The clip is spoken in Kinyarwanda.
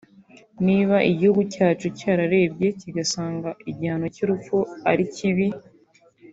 Niba igihugu cyacu cyarerebye kigasanga igihano cy’urupfu ari kibi